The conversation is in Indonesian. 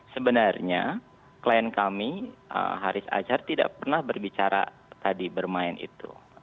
sebenarnya klien kami haris azhar tidak pernah berbicara tadi bermain itu